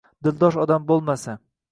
Dildosh odam bo’lmasa.